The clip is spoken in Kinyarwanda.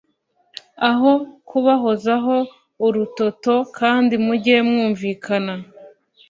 aho kubahozaho urutoto kandi mujye mwumvikana